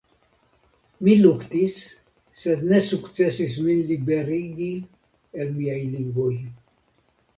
Mi luktis sed ne sukcesis min liberigi el miaj ligoj.